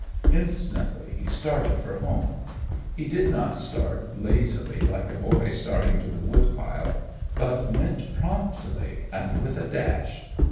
Instantly he started for home. He did not start lazily, like a boy starting to the wood pile, but went promptly and with a dash.